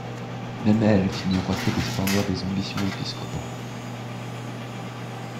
Même elle fit miroiter les splendeurs des ambitions épiscopales.